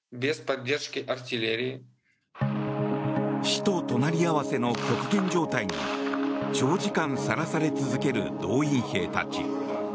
死と隣り合わせの極限状態に長時間さらされ続ける動員兵たち。